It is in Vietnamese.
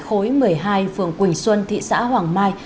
khối một mươi hai phường quỳnh xuân thị xã hoàng mai